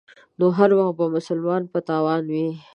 نو هر وخت به د مسلمان په تاوان وي.